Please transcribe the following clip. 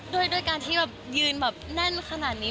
ด้วยการที่แบบยืนแบบแน่นขนาดนี้